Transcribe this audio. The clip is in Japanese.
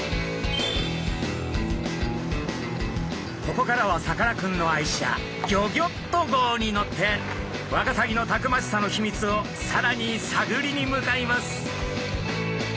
ここからはさかなクンの愛車ギョギョッと号に乗ってワカサギのたくましさの秘密をさらに探りに向かいます。